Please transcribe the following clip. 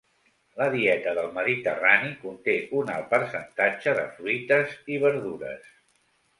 La dieta del mediterrani conté un alt percentatge de fruites i verdures.